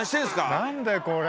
何だこれ！